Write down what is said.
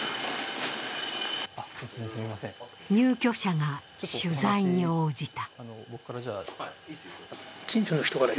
入居者が取材に応じた。